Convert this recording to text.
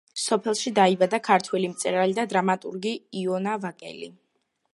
სოფელში დაიბადა ქართველი მწერალი და დრამატურგი იონა ვაკელი.